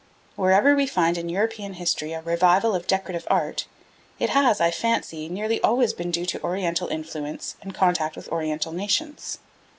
Wherever we find in European history a revival of decorative art, it has, I fancy, nearly always been due to Oriental influence and contact with Oriental nations.